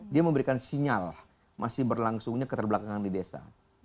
dia memberikan sinyal masih berlangsungnya keterbelakangan di desa